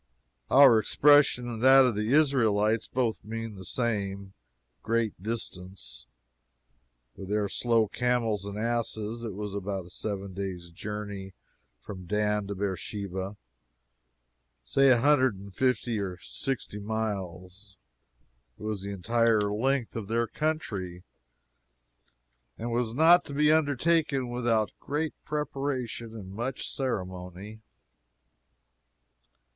Our expression and that of the Israelites both mean the same great distance. With their slow camels and asses, it was about a seven days' journey from Dan to Beersheba say a hundred and fifty or sixty miles it was the entire length of their country, and was not to be undertaken without great preparation and much ceremony.